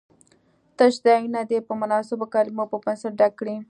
تش ځایونه دې په مناسبو کلمو په پنسل ډک کړي.